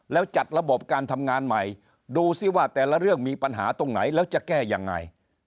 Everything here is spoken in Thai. แล้วจัดระบบการทำงานใหม่ดูสิว่าแต่ละเรื่องมีปัญหาตรงไหนแล้วจะแก้ยังไง